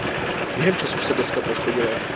Během času se deska poškodila.